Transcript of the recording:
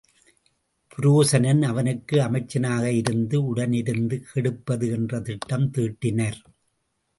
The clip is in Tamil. புரோசனன் அவனுக்கு அமைச்சனாக இருந்து உடனிருந்து கெடுப்பது என்றும் திட்டம் தீட்டினர்.